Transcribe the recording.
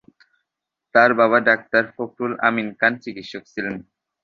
তার বাবা ডাক্তার ফখরুল আমিন খান চিকিৎসক ছিলেন।